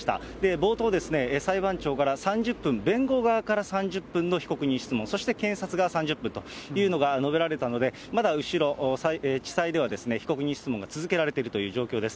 冒頭、裁判長から、３０分、弁護側から３０分の被告人質問、そして検察が３０分というのが述べられたので、まだ後ろ、地裁では被告人質問が続けられているという状況です。